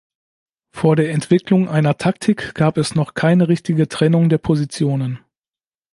Vor der Entwicklung einer Taktik gab es noch keine richtige Trennung der Positionen.